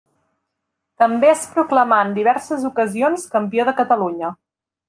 També es proclamà en diverses ocasions campió de Catalunya.